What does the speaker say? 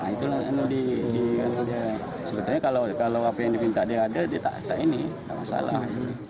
nah itu lah sebenarnya kalau apa yang dipinta dia ada dia tak ini tak masalah